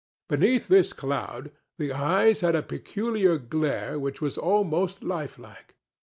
Beneath this cloud the eyes had a peculiar glare which was almost lifelike.